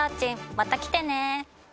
また来てね